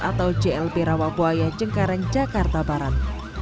atau jlp rawabuaya cengkareng jakarta barat